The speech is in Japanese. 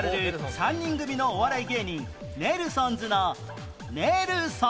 ３人組のお笑い芸人ネルソンズの「ネルソン」